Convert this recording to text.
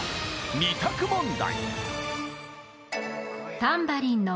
２択問題